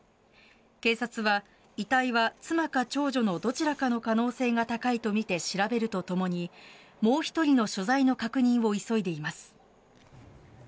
警察は、遺体は妻か長女のどちらかの可能性が高いとみて調べるとともにもう１人の所在の確認を急いでいます。